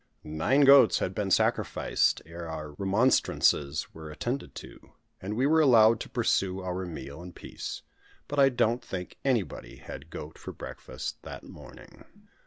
Nine goats had been sacrificed, ere our remonstrances were attended to; and we were allowed to pursue our meal in peace. But I don't think anybody had goat for breakfast that morning.